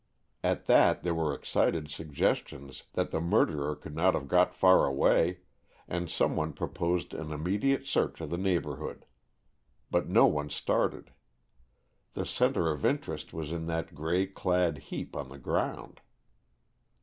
At that there were excited suggestions that the murderer could not have got far away, and some one proposed an immediate search of the neighborhood. But no one started. The center of interest was in that gray clad heap on the ground.